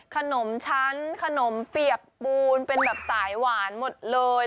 ขนมชั้นขนมเปียกปูนเป็นแบบสายหวานหมดเลย